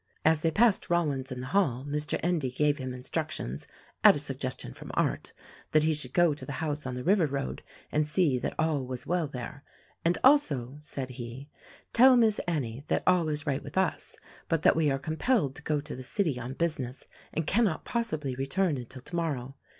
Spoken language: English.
As they passed Rollins in the hall Mr. Endy gave him instructions — at a suggestion from Arndt — that he should go to the house on the river road and see that all was well there; "and also," said he, "Tell Miss Annie that all is right with us, but that we are compelled to go to the city on business and cannot possibly return until tomorrow.